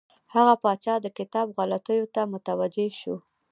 هغه پاچا د کتاب غلطیو ته متوجه شو.